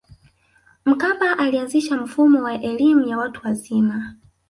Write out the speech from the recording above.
mkapa alianzisha mfumo wa elimu ya watu wazima